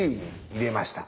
入れました。